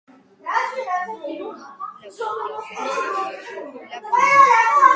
გადაღებულია ნაწარმოების სატელევიზიო ვერსია.